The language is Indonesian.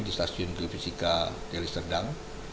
di stasiun geofisika deli serdang